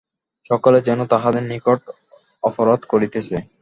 সকলেই যেন তাহাদের নিকটে অপরাধ করিতেছে।